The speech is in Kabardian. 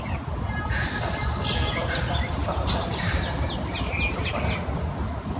ЖысӀам сыхущӀегъуэжмэ фэ къызаплъыжынукъым, къыбгурыӀуэрэ?